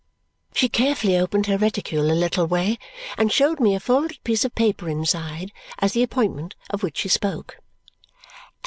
She carefully opened her reticule a little way and showed me a folded piece of paper inside as the appointment of which she spoke.